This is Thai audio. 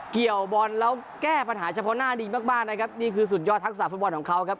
เกี่ยวบอลแล้วแก้ปัญหาเฉพาะหน้าดีมากมากนะครับนี่คือสุดยอดทักษะฟุตบอลของเขาครับ